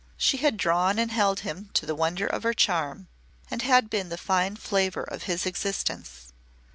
She had drawn and held him to the wonder of her charm and had been the fine flavour of his existence.